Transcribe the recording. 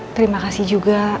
terima kasih juga